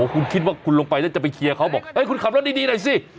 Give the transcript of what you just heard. คุณคิดว่าคุณลงไปแล้วจะไปเคลียร์เขาบอกคุณขับรถดีหน่อยสิ